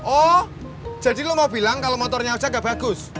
oh jadi lo mau bilang kalau motornya aja gak bagus